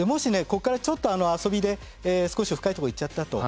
ここからちょっと遊びで少し深いとこ行っちゃったと。